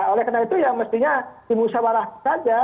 oleh karena itu ya mestinya dimusyawarah saja